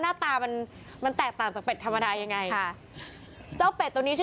หน้าตามันแตกต่างจากเป็ดธรรมดายังไง